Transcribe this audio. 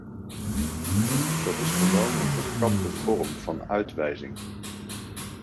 Dat is gewoon een verkapte vorm van uitwijzing.